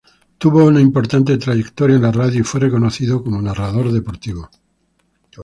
Tuvo una importante trayectoria en la radio y fue reconocido como narrador deportivo.